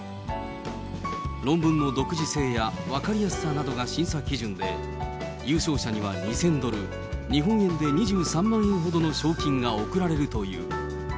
論文の独自性や分かりやすさなどが審査基準で、優勝者には２０００ドル、日本円で２３万円ほどの賞金が贈られるという。